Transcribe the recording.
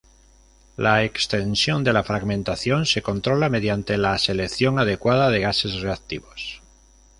La extensión de la fragmentación se controla mediante la selección adecuada de gases reactivos.